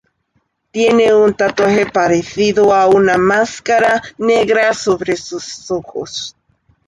Tiene un tatuaje parecido a una máscara negra sobre sus ojos.